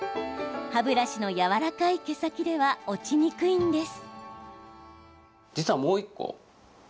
歯ブラシのやわらかい毛先では落ちにくいんです。